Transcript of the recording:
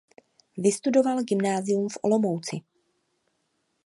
Vystudoval gymnázium v Olomouci.